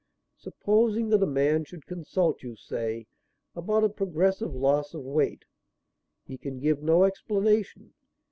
Supposing that a man should consult you, say, about a progressive loss of weight. He can give no explanation.